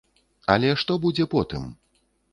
Але што будзе потым?